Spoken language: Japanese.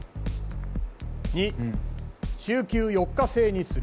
②週休４日制にする。